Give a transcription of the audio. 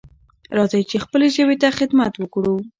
راځئ چې خپلې ژبې ته خدمت وکړو.